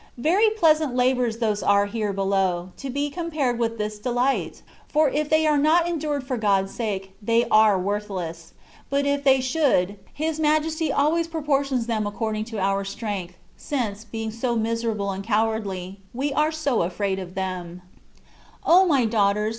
Very pleasant labours those are here below, to be compared with this delight ! For if they are not endured for God^s sake, they are worthless; but if they should, His Majesty always proportions them according to our strength, since, being so miserable and cowardly, we are so a&aid of them, O my daughters